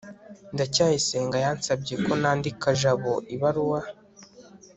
ndacyayisenga yansabye ko nandika jabo ibaruwa